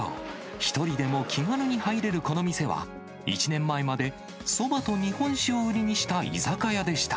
１人でも気軽に入れるこの店は、１年前まで、そばと日本酒を売りにした居酒屋でした。